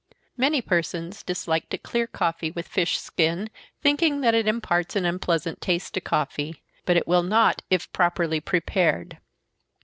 Many persons dislike to clear coffee with fish skin, thinking that it imparts an unpleasant taste to coffee, but it will not, if properly prepared.